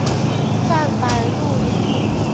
范百禄人。